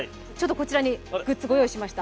こちらにグッズをご用意しました。